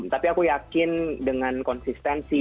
tapi aku yakin dengan konsistensi